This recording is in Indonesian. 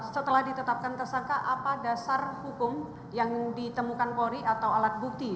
setelah ditetapkan tersangka apa dasar hukum yang ditemukan polri atau alat bukti